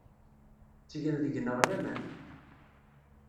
Ttgen deg-neɣ laman.